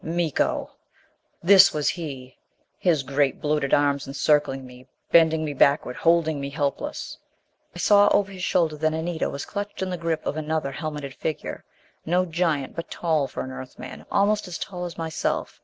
Miko! This was he. His great bloated arms encircling me, bending me backward, holding me helpless. I saw over his shoulder that Anita was clutched in the grip of another helmeted figure. No giant, but tall for an Earth man almost as tall as myself.